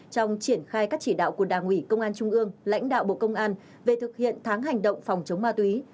trong triển khai các chỉ đạo của đảng ủy công an trung ương lãnh đạo bộ công an về thực hiện tháng hành động phòng chống ma túy